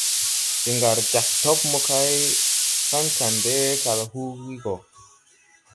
De ngar jāg tob mokay pan Kandɛ kal huugi go.